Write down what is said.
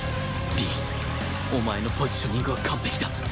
凛お前のポジショニングは完璧だ